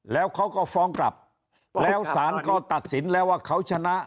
แล้วเขาก็ฟ้องกลับแล้วสารก็ตัดสินแล้วว่าเขาชนะ